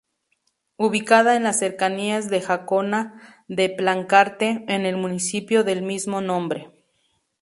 Ubicada en las cercanías de Jacona de Plancarte, en el municipio del mismo nombre.